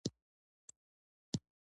غوماشې کله هم د ناروغۍ له مرکز نه خپرېږي.